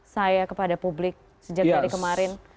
saya kepada publik sejak dari kemarin